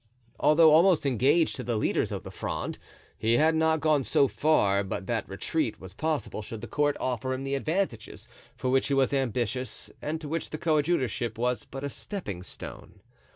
Although almost engaged to the leaders of the Fronde he had not gone so far but that retreat was possible should the court offer him the advantages for which he was ambitious and to which the coadjutorship was but a stepping stone.